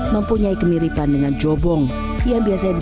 mempunyai kemiripan dengan jobong yang biasanya dikenal sebagai sumur